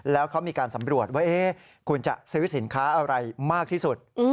แล้วเขามีการสำรวจว่าคุณจะซื้อสินค้าอะไรมากที่สุด